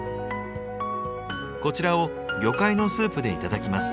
こちらを魚介のスープで頂きます。